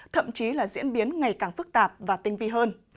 thậm chí là diễn biến ngày càng phức tạp và tinh vi hơn